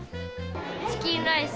チキンライス。